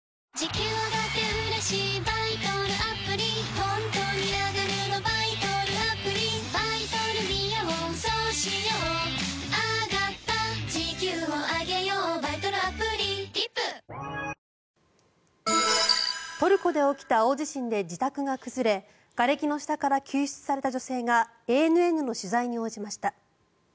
東京海上日動トルコで起きた大地震で自宅が崩れがれきの下から救出された女性がＡＮＮの取材に応じました。